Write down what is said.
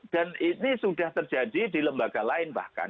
dan ini sudah terjadi di lembaga lain bahkan